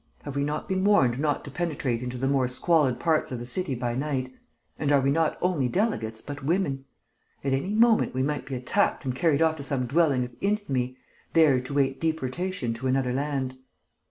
Have we not been warned not to penetrate into the more squalid parts of the city by night? And we are not only delegates, but women. At any moment we might be attacked and carried off to some dwelling of infamy, there to wait deportation to another land."